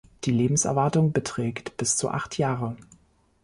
Die Lebenserwartung beträgt bis zu acht Jahre.